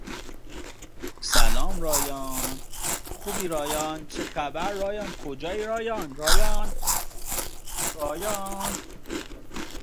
The Greeks also colonised modern-day Crimea on the Black Sea.